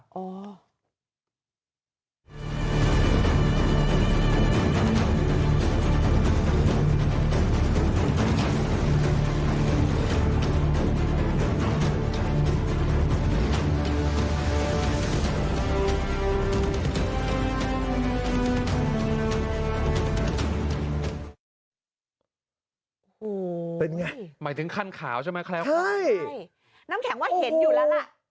โอ้โหเป็นไงหมายถึงคันขาวใช่ไหมแคล้วน้ำแข็งว่าเห็นอยู่แล้วล่ะ